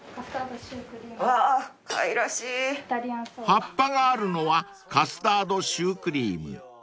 ［葉っぱがあるのはカスタードシュークリーム］